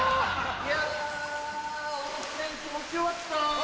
いや温泉気持ち良かった！